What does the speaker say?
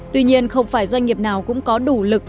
tuy nhiên không phải doanh nghiệp nào cũng có đủ lực